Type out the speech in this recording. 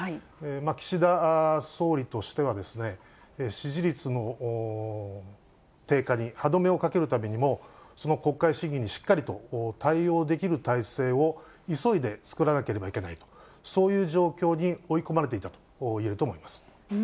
岸田総理としては、支持率の低下に歯止めをかけるためにも、その国会審議にしっかりと対応できる体制を急いで作らなければいけないと、そういう状況に追い込まれていたといえると思います。